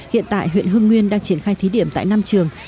hiện tại huyện hương nguyên đang triển khai thí điểm tại năm trường